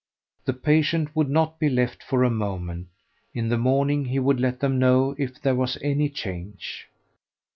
The patient would not be left for a moment. In the morning he would let them know if there was any change.